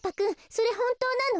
それほんとうなの？